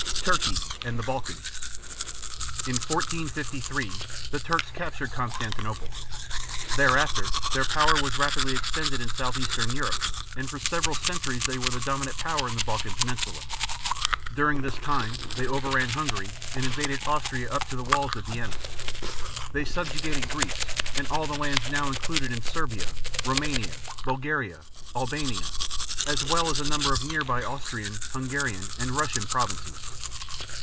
TURKEY AND THE BALKANS. In 1453 the Turks captured Constantinople. Thereafter their power was rapidly extended in southeastern Europe and for several centuries they were the dominant power in the Balkan peninsula. During this time they overran Hungary and invaded Austria up to the walls of Vienna. They subjugated Greece and all the lands now included in Serbia, Roumania, Bulgaria, Albania, as well as a number of near by Austrian, Hungarian, and Russian provinces.